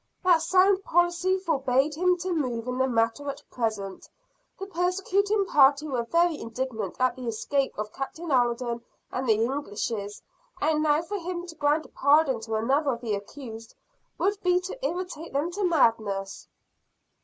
"That sound policy forbade him to move in the matter at present. The persecuting party were very indignant at the escape of Captain Alden and the Englishes; and now for him to grant a pardon to another of the accused, would be to irritate them to madness."